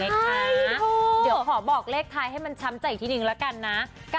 เดี๋ยวขอบอกเลขท้ายให้มันช้ำใจอีกทีนึงละกันนะ